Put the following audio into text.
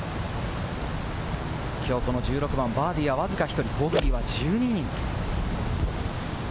この１６番、バーディーはわずか１人、ボギーは１２人。